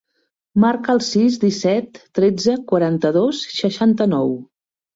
Marca el sis, disset, tretze, quaranta-dos, seixanta-nou.